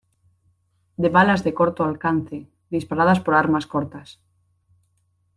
de balas de corto alcance, disparadas por armas cortas.